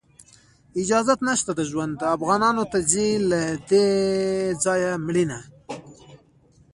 اجازت نشته د ژوند، افغانانو ته ځي له دې ځایه مړینه